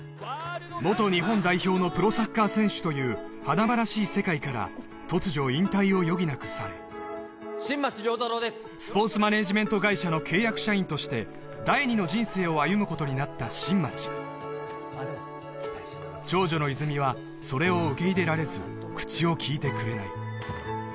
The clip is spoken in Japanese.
元日本代表のプロサッカー選手という華々しい世界から突如引退を余儀なくされ新町亮太郎ですスポーツマネージメント会社の契約社員として第２の人生を歩むことになった新町長女の泉実はそれを受け入れられず口をきいてくれない